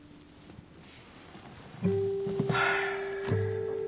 はあ。